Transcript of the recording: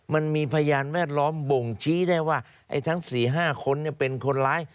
มันมีพยานแวดล้อมบ่งชี้ได้ว่าไอ้ทั้ง๔๕คนเป็นคนร้าย